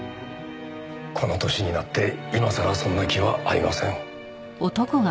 この歳になって今さらそんな気はありません。